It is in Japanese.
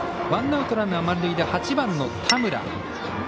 ワンアウト、ランナー満塁で８番の田村。